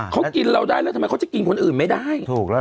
เขากินเราได้แล้วทำไมเขากินคนอื่นไม่ได้